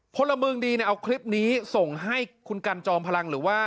พลเมืองดีเนี่ยเอาคลิปนี้ส่งให้คุณกันจอมพลังหรือว่า